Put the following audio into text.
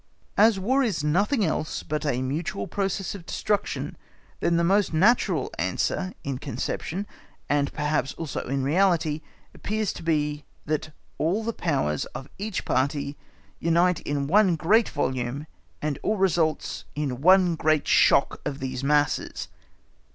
As War is nothing else but a mutual process of destruction, then the most natural answer in conception, and perhaps also in reality, appears to be that all the powers of each party unite in one great volume and all results in one great shock of these masses.